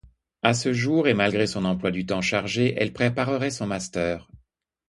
À ce jour, et malgré son emploi du temps chargé, elle préparerait son master.